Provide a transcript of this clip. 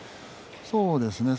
そうですね。